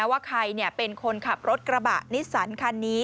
ว่าใครเป็นคนขับรถกระบะนิสสันคันนี้